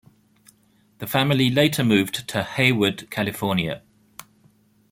The family later moved to Hayward, California.